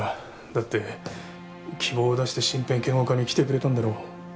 だって希望を出して身辺警護課に来てくれたんだろう？